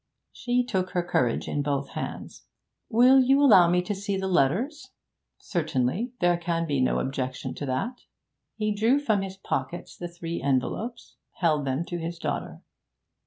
She took her courage in both hands. 'Will you allow me to see the letters?' 'Certainly. There can be no objection to that.' He drew from his pocket the three envelopes, held them to his daughter.